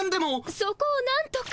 そこをなんとか。